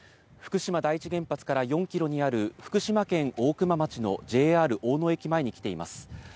福島第一原発から４キロにある福島県大熊町のＪＲ大野駅前に来ています。